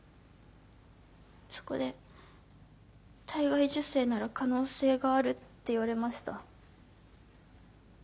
そこで体外受精なら可能性があるって言われました。